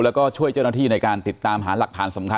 แล้วก็ช่วยเจ้าหน้าที่ในการติดตามหาหลักฐานสำคัญ